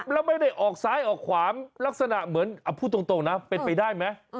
แล้วไม่ได้ออกซ้ายออกขวาลักษณะเหมือนพูดตรงนะเป็นไปได้ไหม